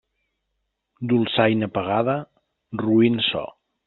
Dolçaina pagada, roín so.